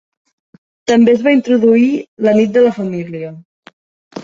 També es va introduir "la nit de la família".